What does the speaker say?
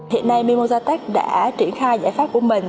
hiện nay mimosa tech đã triển khai giải pháp của mình